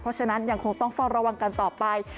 เพราะฉะนั้นยังคงต้องเฝ้าระวังกันต่อไป